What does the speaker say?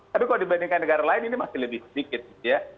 tapi kalau dibandingkan negara lain ini masih lebih sedikit gitu ya